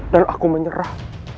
dan aku menyerah